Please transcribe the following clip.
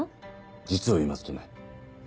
実を言いますとね